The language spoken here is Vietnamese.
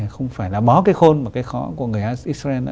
không phải là bó cái khôn mà cái khó của người israel